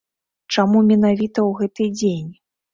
Чаму менавіта ў гэты дзень?